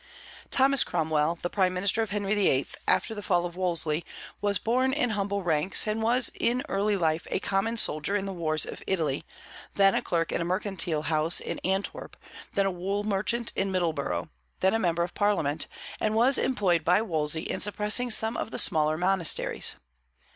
Thomas Cromwell, the prime minister of Henry VIII., after the fall of Wolsey, was born in humble ranks, and was in early life a common soldier in the wars of Italy, then a clerk in a mercantile house in Antwerp, then a wool merchant in Middleborough, then a member of Parliament, and was employed by Wolsey in suppressing some of the smaller monasteries.